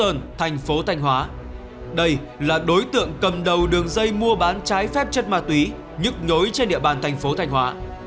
là một đối tượng cầm đầu đường dây mua bán trái phép chất ma túy nhức nhối trên địa bàn thành phố thanh hóa